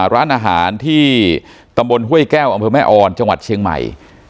ร้านอาหารที่ตำบลห้วยแก้วอำเภอแม่ออนจังหวัดเชียงใหม่